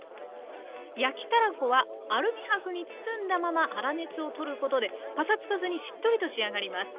焼きたらこはアルミ箔に包んだまま粗熱をとることでパサつかずにしっとりと仕上がります。